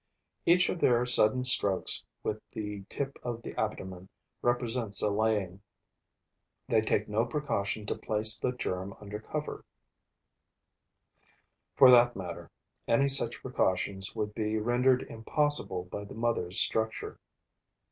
Each of their sudden strokes with the tip of the abdomen represents a laying. They take no precaution to place the germ under cover; for that matter, any such precaution would be rendered impossible by the mother's structure.